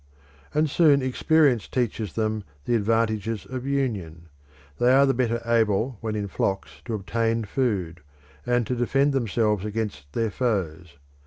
And soon experience teaches them the advantages of union. They are the better able when in flocks to obtain food, and to defend themselves against their foes.